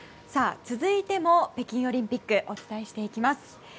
続いても北京オリンピックお伝えしていきます。